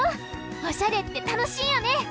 おしゃれってたのしいよね！